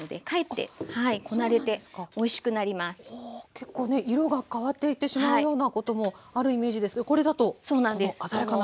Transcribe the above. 結構ね色が変わっていってしまうようなこともあるイメージですけどこれだとこの鮮やかなまま。